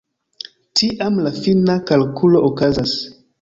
Tiam la fina kalkulo okazas.